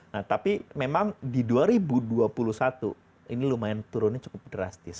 nah tapi memang di dua ribu dua puluh satu ini lumayan turunnya cukup drastis